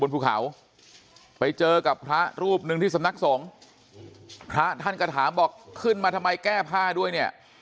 ภูเขาไปเจอกับพระรูปหนึ่งที่สำนักสงฆ์พระท่านก็ถามบอกขึ้นมาทำไมแก้ผ้าด้วยเนี่ย